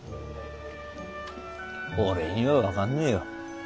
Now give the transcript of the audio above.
俺には分かんねえよ。